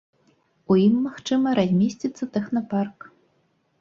У ім, магчыма, размесціцца тэхнапарк.